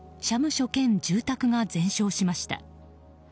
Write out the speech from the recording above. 社務所兼住宅が全焼しました。